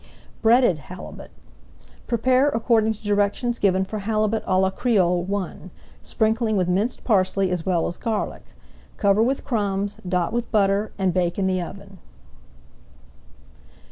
BREADED HALIBUT Prepare according to directions given for Halibut à la Creole I, sprinkling with minced parsley as well as garlic. Cover with crumbs, dot with butter, and bake in the oven.